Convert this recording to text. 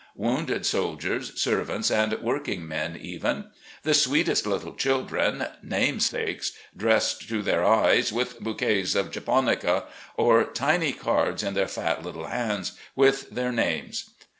Wounded soldiers, servants, and working men even. The sweetest little children — namesakes — dressed to their eyes, with bouquets of japonica — or tiny cards in their little fat hands — ^with their names.